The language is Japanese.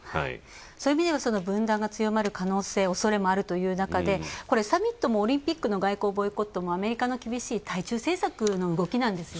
そういう意味では分断が強まる可能性、おそれもあるという中でサミットもオリンピックの外交ボイコットもアメリカの厳しい対中政策の動きなんですよね。